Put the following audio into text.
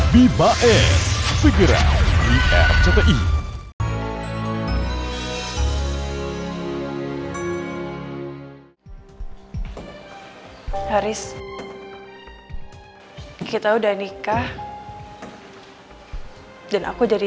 bibae segera di rti